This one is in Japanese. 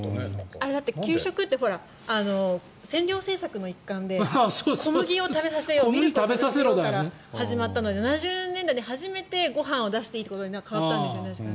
給食って占領政策の一環で小麦を食べさせようというところから始まったので７０年代に初めてご飯を出していいということに変わったんですよね。